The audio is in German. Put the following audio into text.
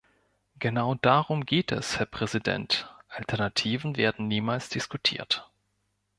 Genau darum geht es, Herr Präsident, Alternativen werden niemals diskutiert.